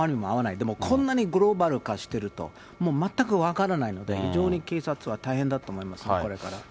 でもこんなにグローバル化してると、もう全く分からないので、非常に警察は大変だと思いますね、これから。